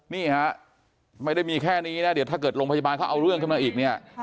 นี่ฮะไม่ได้มีแค่นี้นะเดี๋ยวถ้าเกิดโรงพยาบาลเขาเอาเรื่องขึ้นมาอีกเนี่ย